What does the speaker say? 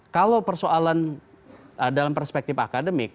kalau persoalan dalam perspektif akademik